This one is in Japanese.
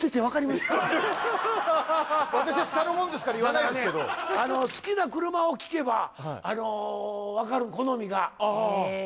私は下のもんですから言わないですけど好きな車を聞けば分かる好みがへえ